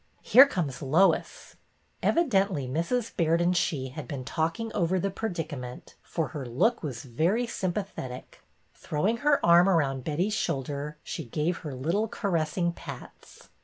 Here comes Lois 1 " Evidently Mrs. Baird and she had been talking over the predicament, for her look was very sym pathetic. Throwing her arm around Betty's shoulder, she gave her little caressing pats.